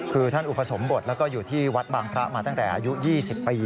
คือท่านอุปสมบทแล้วก็อยู่ที่วัดบางพระมาตั้งแต่อายุ๒๐ปี